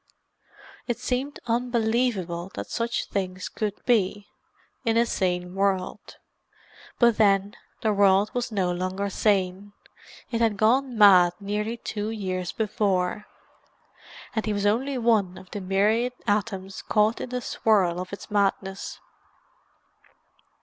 It seemed unbelievable that such things could be, in a sane world. But then, the world was no longer sane; it had gone mad nearly two years before, and he was only one of the myriad atoms caught into the swirl of its madness.